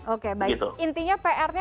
oke baik intinya pr nya